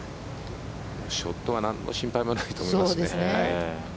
ショットはなんの心配もないと思いますね。